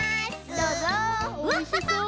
どうぞ。